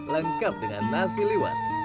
lengkap dengan nasi lembut